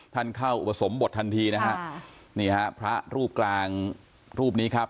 ท่านเข้าอุปสมบททันทีนะฮะนี่ฮะพระรูปกลางรูปนี้ครับ